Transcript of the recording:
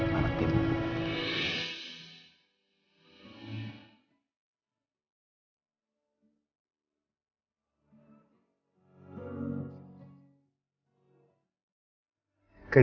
keinginan rene sudah terkabul